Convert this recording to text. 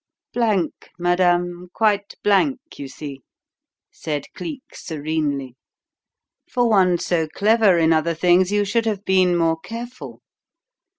"Blank, madame, quite blank, you see," said Cleek serenely. "For one so clever in other things, you should have been more careful.